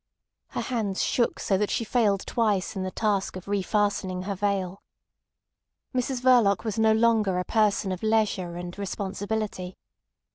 Her hands shook so that she failed twice in the task of refastening her veil. Mrs Verloc was no longer a person of leisure and responsibility.